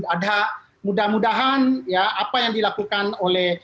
ada mudah mudahan ya apa yang dilakukan oleh